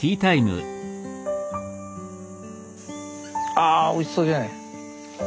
あおいしそうじゃない。